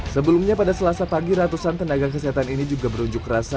sebelumnya pada selasa pagi ratusan tenaga kesehatan ini juga berunjuk rasa